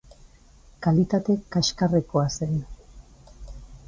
Kalitate kaxkarrekoa zen.